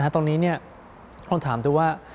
ตรงนี้ต้องถามดูว่า